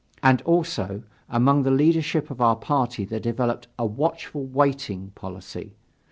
And, also, among the leadership of our party there developed a "watchful waiting" policy.